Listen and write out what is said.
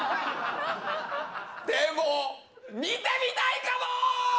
でも見てみたいかも！